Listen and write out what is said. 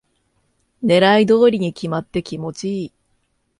狙い通りに決まって気持ちいい